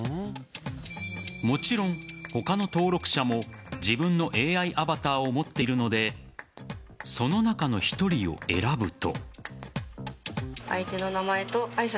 もちろん他の登録者も自分のＡＩアバターを持っているのでその中の１人を選ぶと。